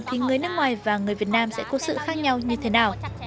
thì người nước ngoài và người việt nam sẽ có sự khác nhau như thế nào